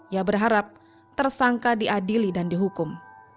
ia berharap tersangka diadili dan dihukum